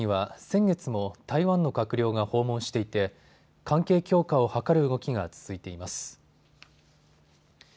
これらの国々には先月も台湾の閣僚が訪問していて関係強化を図る動きが続いています。